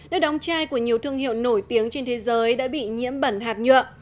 đất đóng chai của nhiều thương hiệu nổi tiếng trên thế giới đã bị nhiễm bẩn hạt nhựa